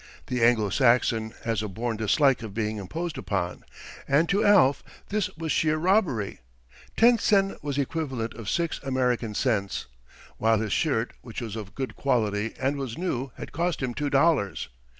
The Anglo Saxon has a born dislike of being imposed upon, and to Alf this was sheer robbery! Ten sen was equivalent to six American cents, while his shirt, which was of good quality and was new, had cost him two dollars.